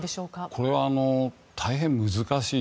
これは大変難しい。